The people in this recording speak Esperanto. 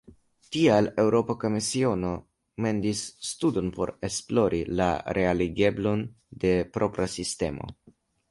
Tial Eŭropa Komisiono mendis studon por esplori la realigeblon de propra sistemo.